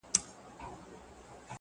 چي د پايزېب د شرنگولو کيسه ختمه نه ده_